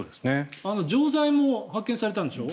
錠剤も発見されたんでしょ？